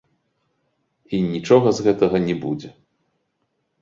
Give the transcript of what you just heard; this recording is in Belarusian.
І нічога з гэтага не будзе.